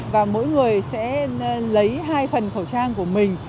và mỗi người sẽ lấy hai phần khẩu trang của mình